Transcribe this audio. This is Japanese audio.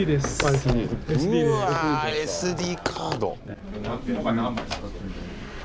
うわＳＤカード。